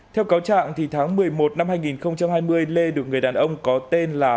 theo cáo trạng tháng một mươi một năm hai nghìn hai mươi lê được người đàn ông có tên là